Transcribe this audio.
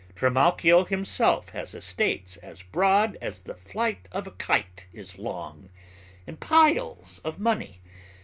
Trimalchio himself has estates as broad as the flight of a kite is long, and piles of money.